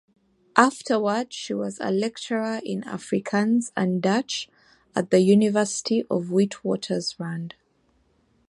Afterwards she was lecturer in Afrikaans and Dutch at the University of the Witwatersrand.